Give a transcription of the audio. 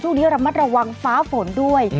ช่วงนี้ระมัดระวังฟ้าฝนด้วย